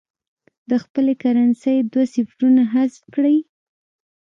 د خپلې کرنسۍ دوه صفرونه حذف کړي.